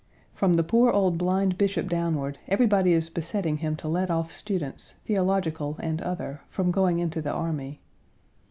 From the poor old blind bishop downward everybody is besetting him to let off students, theological and other, from going into the army.